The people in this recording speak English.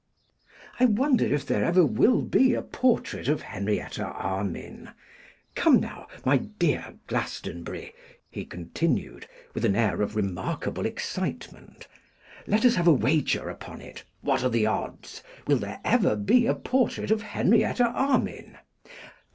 'I wonder if there ever will be a portrait of Henrietta Armine. Come now, my dear Glastonbury,' he continued, with an air of remarkable excitement, 'let us have a wager upon it. What are the odds? Will there ever be a portrait of Henrietta Armine?